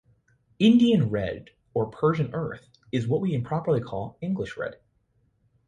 Indian red, or Persian earth, is what we improperly call English red.